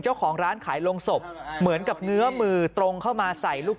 เจ้าของร้านขายโรงศพเหมือนกับเงื้อมือตรงเข้ามาใส่ลูก